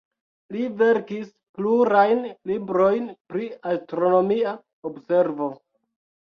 Li verkis plurajn librojn pri astronomia observo.